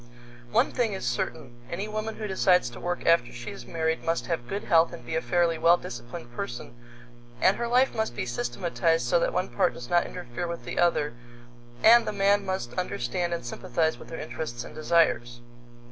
One thing is certain: Any woman who decides to work after she is married must have good health and be a fairly well disciplined person, and her life must be systematized so that one part does not interfere with the other, and the man must understand and sympathize with her interests and desires.